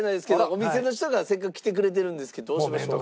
お店の人がせっかく来てくれてるんですけどどうしましょう？